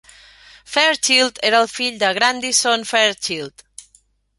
Fairchild era el fill de Grandison Fairchild.